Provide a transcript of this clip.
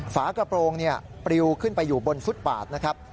ฝากระโปรงปลิวขึ้นไปอยู่บนฟุตปาดนะครับ